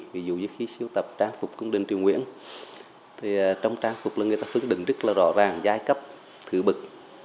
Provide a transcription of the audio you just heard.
ví dụ như khi sưu tập trang phục cung đình triều nguyễn thì trong trang phục người ta phức định rất là rõ ràng giai cấp thử bực